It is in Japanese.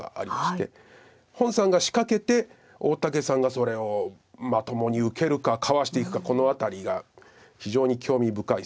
洪さんが仕掛けて大竹さんがそれをまともに受けるかかわしていくかこの辺りが非常に興味深い。